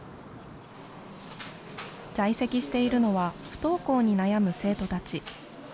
在籍しているのは不登校に悩む生徒たち。